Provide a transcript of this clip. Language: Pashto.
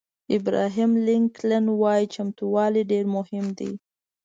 ابراهیم لینکلن وایي چمتووالی ډېر مهم دی.